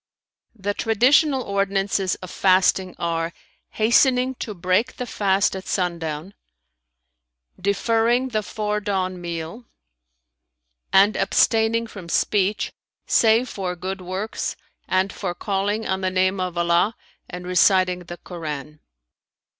The traditional ordinances of fasting are, hastening to break the fast at sundown; deferring the fore dawn meal,[FN#317] and abstaining from speech, save for good works and for calling on the name of Allah and reciting the Koran."